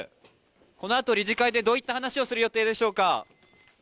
このあと理事会でどういった話をする予定でしょうか。